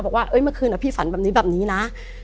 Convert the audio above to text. บอกว่าเมื่อคืนพี่ฝันแบบนี้แบบนี้นะ